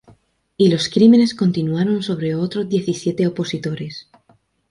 Y los crímenes continuaron sobre otros diecisiete opositores.